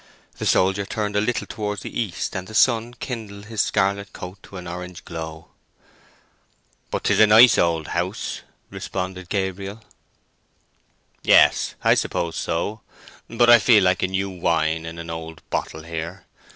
The soldier turned a little towards the east, and the sun kindled his scarlet coat to an orange glow. "But it is a nice old house," responded Gabriel. "Yes—I suppose so; but I feel like new wine in an old bottle here.